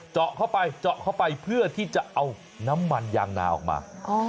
เจาะเข้าไปเจาะเข้าไปเพื่อที่จะเอาน้ำมันยางนาออกมา